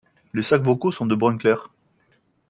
Les sacs vocaux sont de brun clair.